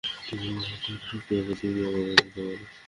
তুই মনে করস তর শক্তি আছে, তুই আমাদের থেকে ভাল।